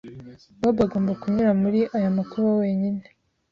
Bob agomba kunyura muri aya makuba wenyine.